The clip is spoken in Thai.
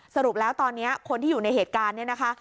สรุปแล้วตอนนี้คนที่อยู่ในเหตุการณ์เนี่ยนะคะ